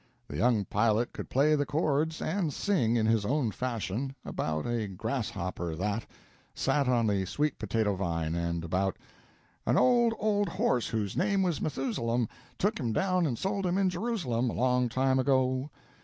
The young pilot could play the chords, and sing, in his own fashion, about a grasshopper that; sat on a sweet potato vine, and about An old, old horse whose name was Methusalem, Took him down and sold him in Jerusalem, A long time ago.